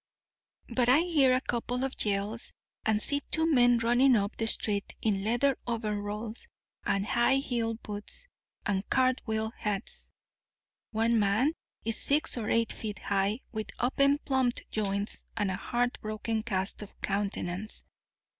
"But I hear a couple of yells and see two men running up the street in leather overalls and high heeled boots and cartwheel hats. One man is six or eight feet high, with open plumbed joints and a heartbroken cast of countenance.